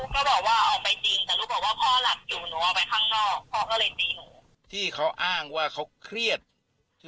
ปกติเค้าเป็นคนยังไงล่ะ